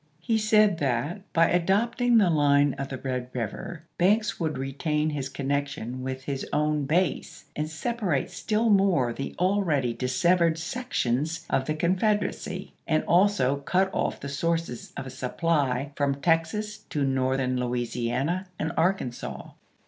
He said that, by adopting the line of the Red River, Banks would retain his connection with his own base and separate still more the already dissevered sections of the Con federacy, and also cut off the sources of supply from Texas to Northern Louisiana and Arkansas.